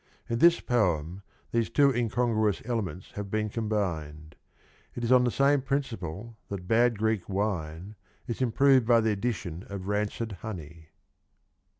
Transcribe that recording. In this poem these two incon gruous elements have been combined. It is on the same principle that bad Greek wine is improved by the addition of rancid honey.